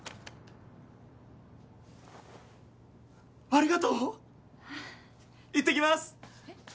ありがとう！いってきます！